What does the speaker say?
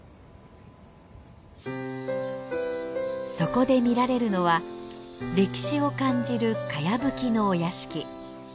そこで見られるのは歴史を感じるかやぶきのお屋敷。